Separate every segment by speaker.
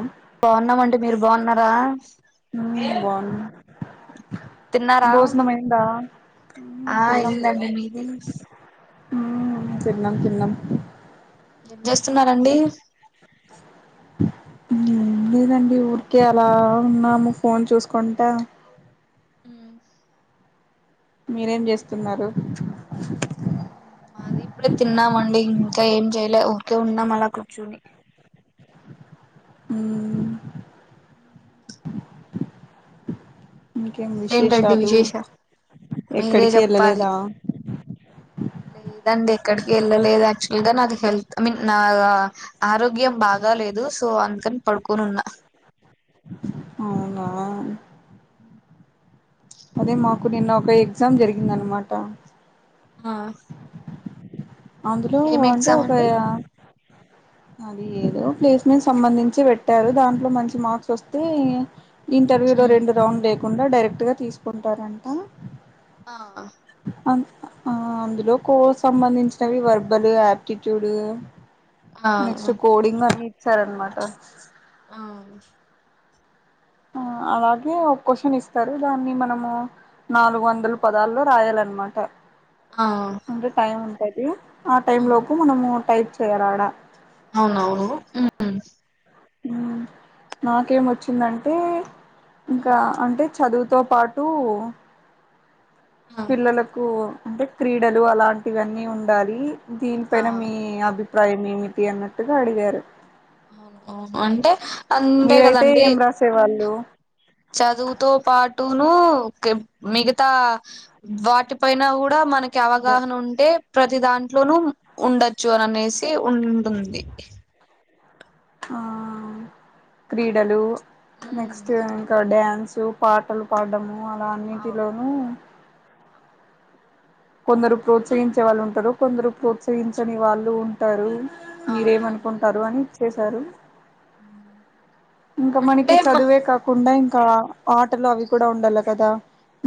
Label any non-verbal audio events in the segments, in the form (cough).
Speaker 1: ఉమ్
Speaker 2: బాగున్నమంటి మీరు బాగున్నరా
Speaker 1: బాగున్నా
Speaker 2: తిన్నారా
Speaker 1: భోజనం అయిందా
Speaker 2: ఆ అయ్యిందండి మీది
Speaker 1: హు తిన్నం తిన్నం
Speaker 2: ఏం చేస్తున్నారండి
Speaker 1: ఏం లేదండి ఊరికే అలా ఉన్నాము ఫోన్ చూసుకుంట
Speaker 2: మ్
Speaker 1: మీరేం చేస్తున్నారు
Speaker 2: మాదిప్పుడే తిన్నామండి ఇంకా ఏం చెయలే ఊర్కే ఉన్నాం అలా కూర్చుని
Speaker 1: హ్మ్మ్
Speaker 2: ఏంతండి విశేషాలు మీరే
Speaker 1: ఎక్కడికి
Speaker 2: చెప్పాలి
Speaker 1: వెళ్ళలేదా
Speaker 2: లేదండి ఎక్కడికి వెళ్ళలేదు యాక్చువల్ గా నాది హెల్త్ ఐమీన్ నా ఆరోగ్యం బాగా లేదు లేదు సో అందుకని పడుకొని ఉన్నా
Speaker 1: అవునా అదే మాకు నిన్న ఒక ఎగ్జామ్ జరిగిందనమాట
Speaker 2: హ
Speaker 1: అందులో అంటే ఒక
Speaker 2: అండి
Speaker 1: అది ఏదో ప్లేస్మెంట్ సంబంధించి పెట్టారు దాంట్లో మంచి మార్క్స్ వస్తే ఇంటర్వ్యూలో రెండు రౌండ్ లేకుండా డైరెక్టుగా తీసుకుంటారంట
Speaker 2: ఆ
Speaker 1: ఆ అందులో కోర్స్ సంబంధించినవి వెర్బల్ ఆప్టిట్యూడ్
Speaker 2: ఆ
Speaker 1: నెక్స్ట్ కోడింగ్ అని ఇచ్చారనమాట
Speaker 2: ఆ
Speaker 1: ఆ అలాగే ఒక క్వశ్చన్ ఇస్తారు దాన్ని మనము నాలుగు వందల పదాల్లో రాయాలన్నమాట
Speaker 2: ఆ
Speaker 1: అంటే టైం ఉంటది ఆ టైమ్ లోపు మనము టైప్ చేయాల ఆడ
Speaker 2: అవునవును ఊ
Speaker 1: ఊ నాకేం వచ్చిందంటే ఇంకా అంటే చదువు తో పాటు
Speaker 2: ఆ
Speaker 1: పిల్లలకు అంటే క్రీడలు అలాంటివన్నీ ఉండాలి దీనిపైన
Speaker 2: ఆ
Speaker 1: మీ అభి ట్రై మీమిపి అన్నట్టుగా అడిగారు
Speaker 2: అవును అవును అంటే అంతే
Speaker 1: మీరైతే
Speaker 2: కదండి
Speaker 1: ఏం రాసేవాళ్ళు
Speaker 2: చదువుతో పాటు టు నూ కె మిగతా వాటి పైన కూడా మనకి కి అవగాహన ఉంటే ప్రతి దాంట్లోనూ ఉండొచ్చు అని అనేసి ఉంటుంది
Speaker 1: ఆ క్రీడలు
Speaker 2: ఉమ్
Speaker 1: నెక్స్ట్ ఇంకా డ్యాన్స్ పాటలు పాడ్డము అలా
Speaker 2: అవు
Speaker 1: అన్నిటిలోనూ కొందరు ప్రోత్సహించే వాళ్ళు ఉంటారు కొందరు ప్రోత్సహించని వాళ్ళు ఉంటారు మీరేమనుకుంటారు అని ఇచ్చేసారు
Speaker 2: ఊ
Speaker 1: ఇంకా మనకి చదువే కాకుండా ఇంకా ఆటలు అవి కూడా ఉండల్ల కదా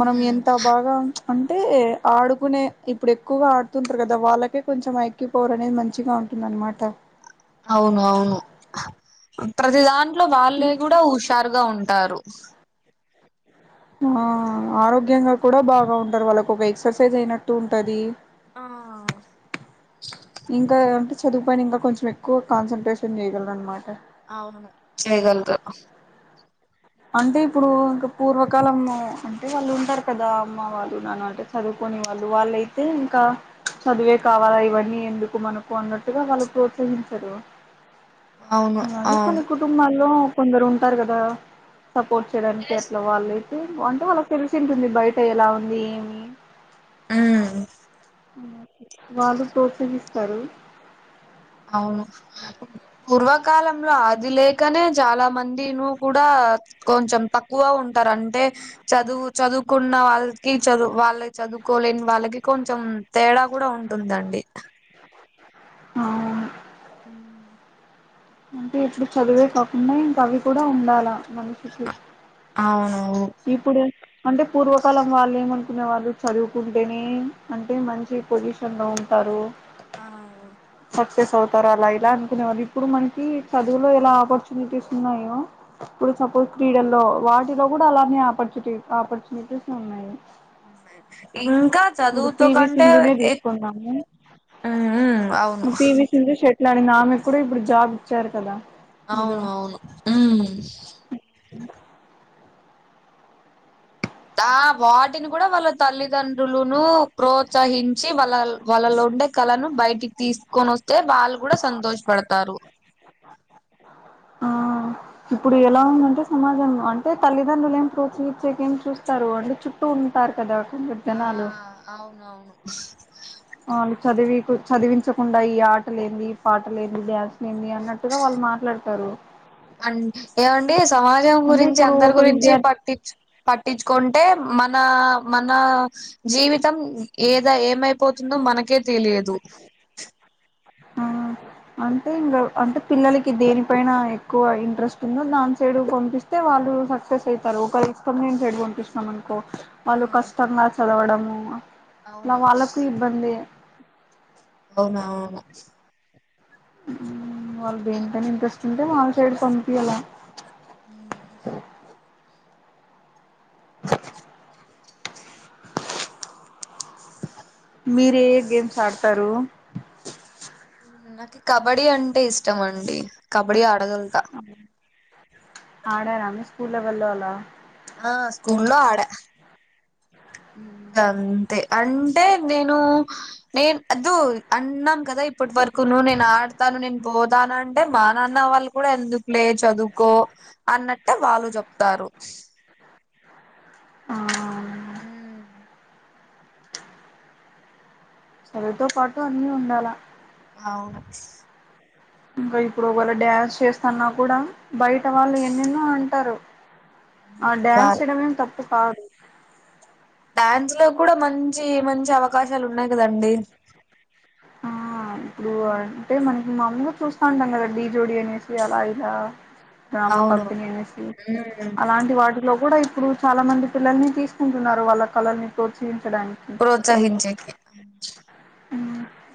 Speaker 1: మనం ఎంత బాగా అంటే ఆడుకునే ఇప్పుడు ఎక్కువగా ఆడుతుంటారు కదా వాళ్ళకే కొంచెం ఐక్యూ పవర్ అనేది మంచిగా ఉంటుందనమాట
Speaker 2: అవును అవును ప్రతి దాంట్లో వాళ్ళే కూడా ఉషారు గా ఉంటారు
Speaker 1: ఆ ఆరోగ్యంగా కూడా బాగా ఉంటారు వాళ్ళకు ఒక ఎక్స్‌ర్‌సైజ్ అయినట్టు ఉంటది
Speaker 2: ఆ
Speaker 1: ఇంకా అంటే చదువు పైన ఇంగ కొంచెం ఎక్కువ కాన్సట్రేషన్ చేయగలరు అన్మాట
Speaker 2: అవును చేయగలతారు
Speaker 1: అంటే ఇప్పుడు ఇంకా పూర్వకాలము అంటే వాళ్ళు ఉంటారు కదా అమ్మ వాళ్ళు నాన్న వాళ్ళు అంటే చదువుకో కొని వాళ్ళు వాళ్ళయితే ఇంకా చదువే కావాలా ఇవన్నీ ఎందుకు మనకు అన్నట్టుగా వాళ్ళు ప్రోత్సహించరు
Speaker 2: అవును
Speaker 1: కానీ
Speaker 2: అవును
Speaker 1: కొన్ని కుటుంబాల్లో కొందరు ఉంటారు కదా సపోర్ట్ చేయడానికి అట్ల వాళ్ళయితే అంటే వాళ్ళకి తెలిసి ఉంటుంది బయట ఎలా ఉంది ఏమి
Speaker 2: ఊ
Speaker 1: వాళ్ళు ప్రోత్సహిస్తారు
Speaker 2: అవును పూర్వకాలంల అది లేకనే చాలా మందిను కూడా కొంచెం తక్కువ ఉంటారు అంటే చదువు చదువుకున్న వాళ్ళు కి చదువు వాళ్ళ చదువుకోలేని వాళ్ళకి కొంచెం తేడా కూడా ఉంటుందండి
Speaker 1: అవును
Speaker 2: ఊ
Speaker 1: అంటే ఇట్లు చదివే కాకుండా ఇంకా అవి కూడా ఉండాల మనిషికి
Speaker 2: అవును
Speaker 1: ఇప్పుడు అంటే పూర్వకాలం వాళ్ళు ఏమ కునే వాళ్ళు చదువుకుంటేనే అంటే మంచి పొజిషన్ లో ఉంటారు
Speaker 2: ఆ
Speaker 1: సక్సెస్ అవుతార అలా ఇలా అనుకునే వాళ్ళు ఇప్పుడు మనకి చదువులో ఎలా ఆపర్చునిటీస్ ఉన్నాయో ఇప్పుడు సపోజ్ క్రీడల్లో వాటిలో కూడా అలానే ఆపర్చటి ఆపర్చునిటీస్ ఉన్నాయి
Speaker 2: ఇం కా
Speaker 1: ఇప్పుడు
Speaker 2: చదువుతో
Speaker 1: పివి
Speaker 2: కంటే
Speaker 1: సింధునే
Speaker 2: ఎక్
Speaker 1: తీసుకున్నాము
Speaker 2: ఊ ఊఅవును
Speaker 1: ఇలాంటి ఆమె కూడా ఇప్పుడు జాబ్ ఇచ్చారు కదా
Speaker 2: అవును
Speaker 1: మీరు
Speaker 2: అవును ఊ దా వాటిని కూడా వాళ్ళ తల్లిదండ్రులును ప్రోత్సహించి వాళ్ళ వాళ్ళలో ఉండే కళను బయటికి తీసుకొనొస్తే వాళ్ళు కూడా సంతోషపడతారు
Speaker 1: ఆ ఇప్పుడు ఎలా ఉందంటే సమాజం అంటే తల్లిదండ్రులు ఏం ప్రోత్సహిచ్చేకేం చూస్తారు అంటే చుట్టూ ఉంటారు కదా కొందరు
Speaker 2: ఆ
Speaker 1: జనాలు
Speaker 2: అవునవును
Speaker 1: వాళ్ళు చదివి చదివించకుండా ఈ ఆటలు ఏంది పాటలు ఏంది డ్యాన్స్ నేంది అన్నట్టుగా వాళ్ళు మాట్లాడతారు
Speaker 2: అన్ ఏవండి సమాజం
Speaker 1: అంటే
Speaker 2: గురించి
Speaker 1: ఇప్పుడు
Speaker 2: అందరి
Speaker 1: ఒక
Speaker 2: గురించి
Speaker 1: విద్యార్థి
Speaker 2: పట్టిచ్చు పట్టించ్చుకొంటే మన మన జీవితం ఏదై ఏమైపోతుందో మనకే తెలియదు
Speaker 1: ఆ అంటే ఇంగ అంటే పిల్లలకి దేనిపైన ఎక్కువ ఇంట్రెస్ట్ ఉందో దాని సైడు పొంపిస్తే వాళ్ళు సక్సెస్ అయితారు ఒక (unintelligible) పంపిస్తన్నాం కో
Speaker 2: ఆ
Speaker 1: వాళ్ళు కష్టంగా చదవడము ఇలా
Speaker 2: అవును
Speaker 1: వాళ్ళకు ఇబ్బందే
Speaker 2: అవునా
Speaker 1: వాళ్ళకు దేనిపైన ఇంట్రెస్ట్ ఉంటే వాళ్ళ సైడ్ పంపియల్ల
Speaker 2: ఊ
Speaker 1: మీరు ఏ ఏ గేమ్స్ ఆడ్తారు
Speaker 2: నాకు కబడ్డీ అంటే ఇష్టమండి కబడ్డీ ఆడగలత
Speaker 1: ఆడార మీ స్కూల్ లెవళ్ళో అలా
Speaker 2: ఆ స్కూల్లో ఆడ ఇగంతే అంటే నేను నేను అద్దు అన్నాం కదా ఇప్పటి వర కును నేను ఆడతాను నేను పోతాను అంటే మా నాన్న వాళ్ళు కూడా ఎందుకు లే చదువుకో అన్నట్టే వాళ్ళు జొప్తారు
Speaker 1: ఆ అవును
Speaker 2: ఉమ్
Speaker 1: చదువుతో పాటు అన్నీ ఉండాల
Speaker 2: అవును
Speaker 1: ఇంకా ఇప్పుడు వాళ్ల డ్యాన్స్ చేస్తన్నా కూడా బయట వాళ్ళు ఎన్నెన్నో అంటరు ఆ డ్యాన్స్
Speaker 2: వాళ్
Speaker 1: ఏయడమేం తప్పు కాదు
Speaker 2: డ్యాన్స్ లో కూడా మంచి మంచి అవకాశాలు ఉన్నాయ్ కదండి
Speaker 1: ఆ ఇప్పుడు అంటే మన మన్ము చూస్తా ఉంటాం గదా డీ జోడి అనేసి అలా ఇలా డ్రామా
Speaker 2: అవును
Speaker 1: కంపెనీ అనేసి
Speaker 2: ఉమ్
Speaker 1: అలాంటి వాటిలో కూడా ఇప్పుడు చాలా మంది పిల్లల్ని తీసుకుంటున్నారు వాళ్ళ కళల్ని ప్రొత్సహిం
Speaker 2: ప్రోత్సహించి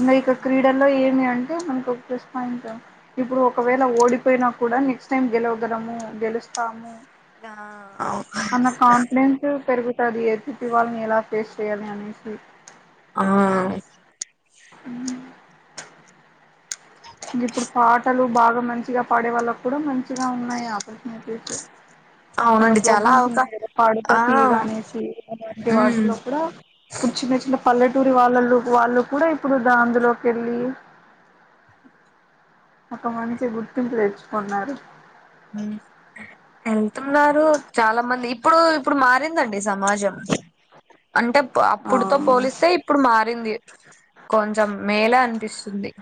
Speaker 1: ఇంగా ఇక్కడ క్రీడల్లో ఏ మి అంటే మనకు ఒక్క ప్లస్ పాయింటు ఇప్పుడు ఒకవేళ ఓడిపోయినా కూడా నెక్స్ట్ టైమ్ గెలవగలము గెలుస్తాము
Speaker 2: ఆ అవు
Speaker 1: అన్న కాన్ఫిడెన్సు పెరుగు అది ఎతి పివాళ్ని ఎలా ఫేస్ చేయాలని అనేసిీ
Speaker 2: ఆ
Speaker 1: అ ఇప్పుడు పాటలు బాగా మంచిగా పాడే వాళ్ళకు కూడా మంచిగా ఉన్నాయి ఆపర్చునిటీస్ కొన్ని
Speaker 2: అవునండి చాలా
Speaker 1: ప్రోగ్రామ్స్
Speaker 2: అవకా
Speaker 1: ఉన్నాయి కదా పాడత
Speaker 2: ఆ
Speaker 1: తీయాగ ఆనేసి ఇలాంటి
Speaker 2: ఉమ్
Speaker 1: వాటిలో కూడా ఇప్పుడు చిన్నచిన్న పల్లెటూరి వాళ్ళలు వాళ్ళు కూడా ఇప్పుడు దా అందులోకి వెళ్ళి ఒక మంచి గుర్తింపు తెచ్చుకున్నారు
Speaker 2: వెళ్తున్నారు చాలా మంది ఇప్పుడు ఇప్పుడు మారిందండి సమాజం అంటే
Speaker 1: ఆ
Speaker 2: అప్పుడుతో పోలిస్తే ఇప్పుడు మారింది కొంచెం మేల అ పిస్తుంది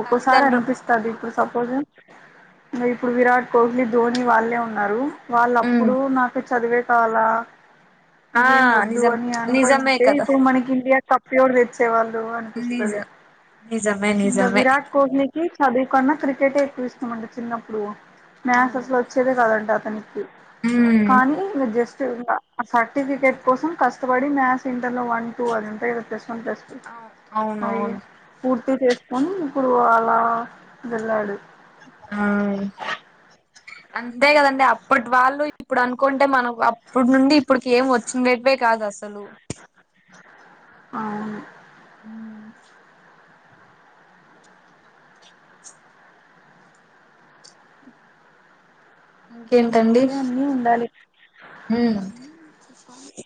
Speaker 1: ఒక్కోసారి అనిపిస్తది ఇప్పుడు సపోజ్ ఇప్పుడు విరాట్ కోహ్లీ ధోని వాళ్ళే ఉన్నారు వాళ్ళు
Speaker 2: ఉమ్
Speaker 1: అప్పుడు నాకు చదివే చాలా
Speaker 2: ఆ
Speaker 1: ఇవేం వద్దు
Speaker 2: నిజం
Speaker 1: అని
Speaker 2: నిజమే
Speaker 1: అనుకుంటే
Speaker 2: కదా
Speaker 1: ఇప్పుడు మనకి ఇండియా తప్పోడు తెచ్చేవాళ్ళు అనిపిస్తుది
Speaker 2: నిజం నిజమే
Speaker 1: ఇంకా
Speaker 2: నిజమే
Speaker 1: విరాట్ కోహ్లీకి చది ఒకన్నా క్రికెటే ఎక్కువ ఇస్తామంట చిన్నప్పుడు
Speaker 2: అవును
Speaker 1: మ్యాసస్ లో వచ్చేదే కాదంటడి అతనికి
Speaker 2: ఉమ్
Speaker 1: కానీ ఈయన జస్ట్ ఆ సర్టిఫికెట్ కోసం కష్టపడి మ్యాథస్ ఇంటర్ లో వన్ టూ అది ఉంటే తెస్తు కొస్
Speaker 2: అవును అవును
Speaker 1: అ
Speaker 2: అవును
Speaker 1: పట్టి చేసుకొని ఇప్పుడు అలా వెళ్ళాడు
Speaker 2: ఆ అంతే కదండి అప్పటి వాళ్ళు ఇప్పుడు అనుకుంటే మనం అప్పటి నుండి ఇప్పటికి ఏం వచ్చినవే కాదు అసలు సలు
Speaker 1: అవును
Speaker 2: హ ఇంకేంటండి
Speaker 1: అ అన్నీ ఉండాలి
Speaker 2: ఉమ్
Speaker 1: అ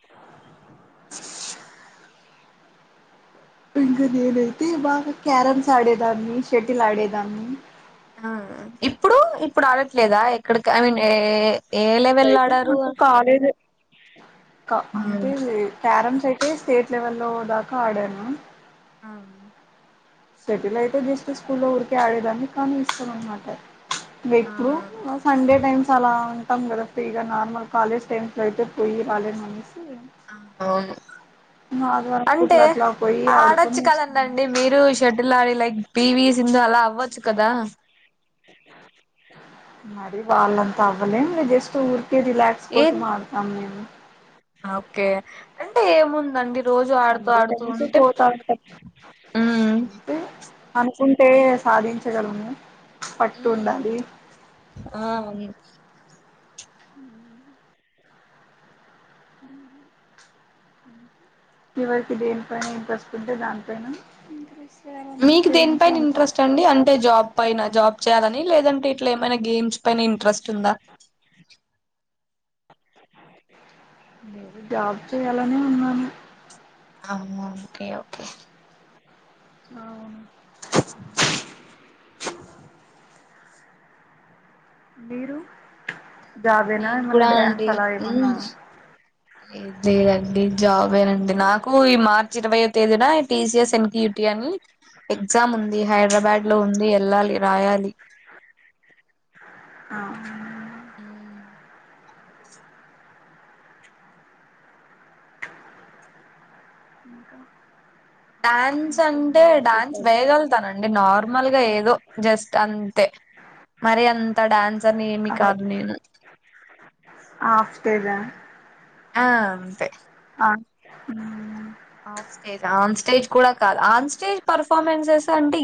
Speaker 1: ఇంకా నేనైతే బాగా క్యారమ్స్ ఆడేదాన్ని షటిల్ ఆడేదాన్ని
Speaker 2: ఆ ఇప్పుడు ఇప్పుడు అడట్లేదా ఎక్కడికి I mean A A level లో
Speaker 1: అయితే
Speaker 2: ఆడారు
Speaker 1: నాకు కాలేజ్
Speaker 2: ఉమ్
Speaker 1: అంటే క్యారమ్స్ అయితే స్టేట్ లెవెల్ లో దాకా ఆడాను
Speaker 2: ఆ
Speaker 1: సటిలైట్ చూస్తే స్కూల్లో ఉఊరికిే ఆడేదాన్ని కానీ ఇస్తం అన్నమాట ఇంకా
Speaker 2: ఆ
Speaker 1: ఇప్పుడు సండే టైమ్స్ అలా ఉ తంగద ఫ్రీగా నార్మల్ కాలేజ్ టైమ్స్లో అయితే పోయి రాలేదు మని
Speaker 2: ఆ అవును
Speaker 1: ఇంకా ఆదివారం
Speaker 2: అంటే
Speaker 1: పూట్ల అట్లా పోయి
Speaker 2: ఆడొచ్చు
Speaker 1: ఆడుకొని వస్తున్నా
Speaker 2: కదండి మీరు షటిల్ ఆడి లైక్ పి వి సింధు అలా అవ్వచ్చు కదా
Speaker 1: మరి వాళ్ళంతా అవ్వలేం జస్ట్ ఊరుకి రిలాక్స్
Speaker 2: ఏం
Speaker 1: కోసం ఆడతాం నేము
Speaker 2: ఓకే అంటే ఏముందండి రోజు ఆడుతూ
Speaker 1: సండే
Speaker 2: ఆడుతూ
Speaker 1: టైమ్స్
Speaker 2: ఉంటే
Speaker 1: పోతా ఉంటాం అంతే అనుకుంటే సాధించగలము పట్ూ ఉండాలి
Speaker 2: ఆ
Speaker 1: ఇవరికి దేని పన ఇంట్రెస్ట్ ఉంటే దానిపైన చేయాలంతే
Speaker 2: మీకు దేని
Speaker 1: పేరెంట్స్
Speaker 2: పైన
Speaker 1: అంతా
Speaker 2: ఇంట్రెస్ట్ అండి అంటే జాబ్ పైన జాబ్ చేయాలని లేదంటే ఇట్లా ఏమైనా గేమ్స్ పైన ఇంట్రెస్ట్ ఉందా
Speaker 1: నేను జాబ్ చేయాలనే ఉన్నాను
Speaker 2: అ ఓకే ఓకే
Speaker 1: అవును మీరు జాబేనా
Speaker 2: నేను
Speaker 1: ఏమైన్నా
Speaker 2: కూడా
Speaker 1: డ్యామ్స్ అలా ఏమన్నా
Speaker 2: లేదు లేదండి జాబేనండి నాకు ఈ మార్ ఇరవైవ తేదీన టిసిఎస్ ఎన్కయయుటి అని ఎగ్జామ్ ఉంది హైదరాబాద్ లో ఉంది వెళ్లాలి రాయాలి
Speaker 1: ఆ ఇంకా
Speaker 2: డ్యాన్స్ అంటే
Speaker 1: ఇంకేమండి
Speaker 2: డాన్స్
Speaker 1: విశేషాలు
Speaker 2: వేయగలుగుతానండి నార్మల్గా ఏదో జస్ట్ అంతే మరి అంత డాన్స్ అని ఏమి కాదు నేను
Speaker 1: ఆఫ్ స్టేజ్ ఆ
Speaker 2: ఆ అంతే
Speaker 1: మ్మ్
Speaker 2: ఆఫ్ స్టేజ్ ఆన్ స్టేజ్ కూడా కాదు ఆన్ స్టేజ్ పర్ఫార్మెన్సెస్ అంటే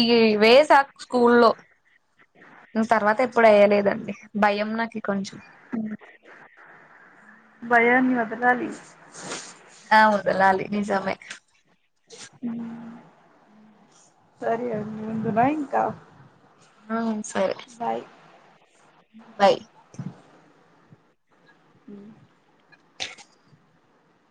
Speaker 2: ఈ వేస స్కూల్లో ను తర్వాత ఎప్పుడు వేయ్యలేదండి భయం నాకు కొంచెం
Speaker 1: భయం వెళ్ళాలి
Speaker 2: అవును వెళ్ళాలి నిజమే
Speaker 1: సరే అండి ఉండునా ఇంకా
Speaker 2: ఆ సరే
Speaker 1: బాయ్
Speaker 2: బాయ్
Speaker 1: హ